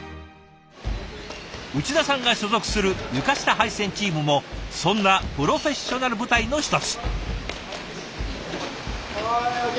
内田さんが所属する床下配線チームもそんなプロフェッショナル部隊の一つ。